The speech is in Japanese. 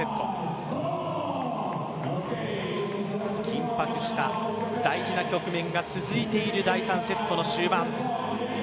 緊迫した大事な局面が続いている第３セットの終盤。